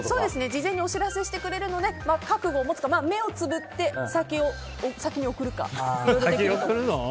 事前にお知らせしてくれるので覚悟を持つか、目をつぶって先に送るか。